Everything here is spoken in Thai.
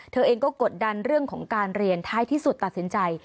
เธอเองก็กดดันเรื่องของการเรียนท้ายที่สุดตัดสินใจ